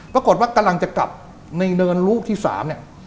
ปรากฏว่ากำลังจะกลับในเนินลูกที่๓เนี่ย